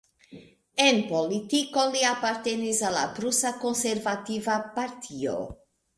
En politiko, li apartenis al la prusa konservativa partio.